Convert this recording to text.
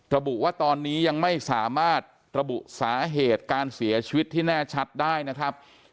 ระบุว่าตอนนี้ยังไม่สามารถระบุสาเหตุการเสียชีวิตที่แน่ชัดได้นะครับ